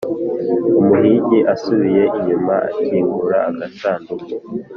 umuhigi asubiye inyuma akingura agasanduku,